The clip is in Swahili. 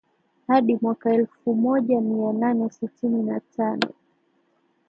hadi mwaka elfumoja mianane sitini na tano